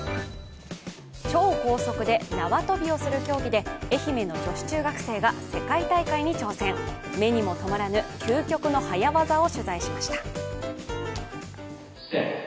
超高速で縄跳びをする競技で愛媛の女子中学生が世界大会に挑戦、目にもとまらぬ究極の早業を取材しました。